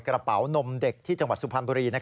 กระเป๋านมเด็กที่จังหวัดสุพรรณบุรี